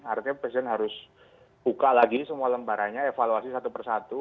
artinya presiden harus buka lagi semua lembarannya evaluasi satu persatu